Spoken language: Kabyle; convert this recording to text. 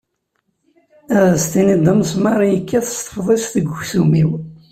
Ad as-tinid d amesmar i yekkat s tefḍist deg uksum-iw.